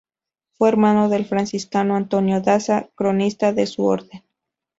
Fue hermano del franciscano Antonio Daza, cronista de su orden.